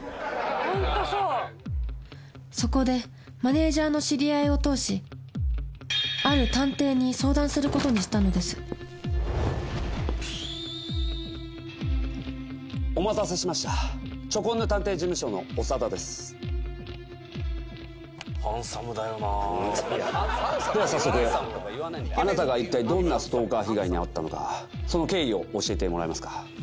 本当そうそこでマネージャーの知り合いを通しある探偵に相談することにしたのですお待たせしましたチョコンヌ探偵事務所の長田ですでは早速あなたがいったいどんなストーカー被害に遭ったのかその経緯を教えてもらえますか？